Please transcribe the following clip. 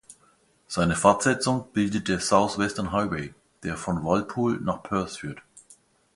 Seine Fortsetzung bildet der South Western Highway, der von Walpole nach Perth führt.